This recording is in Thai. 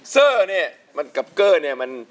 เซอร์เนี่ยมันกับเกอร์เนี่ยมัน